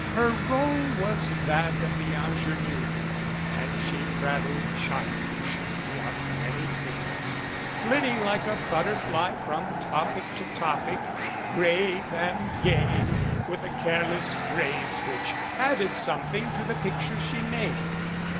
Her role was that of the ingenue and she prattled childishly of many things, flitting like a butterfly from topic to topic, grave and gay with a careless grace which added something to the picture she made.